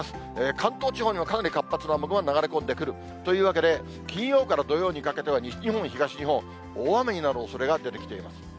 関東地方にもかなり活発な雨雲が流れ込んでくるというわけで、金曜から土曜にかけては、西日本、東日本、大雨になるおそれが出てきています。